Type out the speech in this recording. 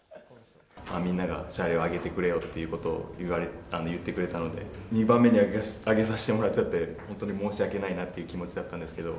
みんながシャーレをあげてくれよと言ってくれたので、２番目にあげさせてもらっちゃって、本当に申し訳ないなっていう気持ちだったんですけど。